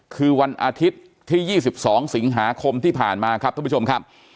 คือวันอาทิตย์ที่๒๒สิงหาคมที่ผ่านมาครับท่านผู้ชมครับ